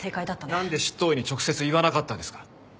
なんで執刀医に直接言わなかったんですか？